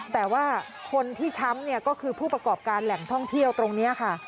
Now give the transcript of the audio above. แต่ว่าคนที่ช้ำเนี่ยก็คือผู้ประกอบการแหล่งท่องเที่ยวตรงนี้ค่ะ